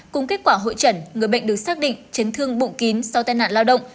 cùng kết quả hội trần người bệnh được xác định chấn thương bụng kín sau tai nạn lao động